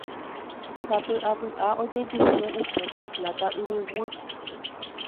Sapy'apy'a ojejuhu upépe Pláta Yvyguy.